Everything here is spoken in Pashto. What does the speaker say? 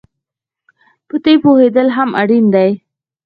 په دې پوهېدل هم اړین دي